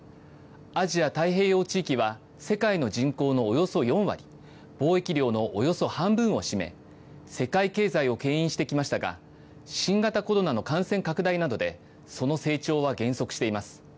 アジア太平洋地域は、世界の人口のおよそ４割、貿易量のおよそ半分を占め、世界経済をけん引してきましたが、新型コロナの感染拡大などで、その成長は減速しています。